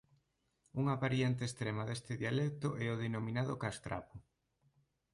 Unha variante extrema deste dialecto é o denominado castrapo.